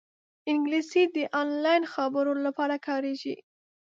انګلیسي د آنلاین خبرو لپاره کارېږي